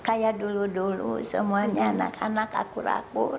mau kayak dulu dulu semuanya anak anak akur akur